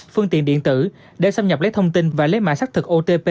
phương tiện điện tử để xâm nhập lấy thông tin và lấy mạng xác thực otp